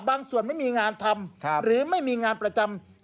ส่วนไม่มีงานทำหรือไม่มีงานประจำ